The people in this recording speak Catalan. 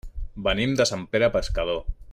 Venim de Sant Pere Pescador.